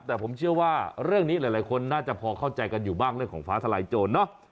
แต่ผมเชื่อว่าเรื่องนี้หลายคนน่าจะพอเข้าใจกันอยู่บ้างเรื่องของฟ้าทลายโจรเนาะ